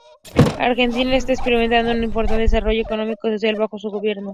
Argelia está experimentando un importante desarrollo económico y social bajo su gobierno.